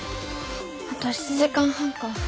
あと７時間半か。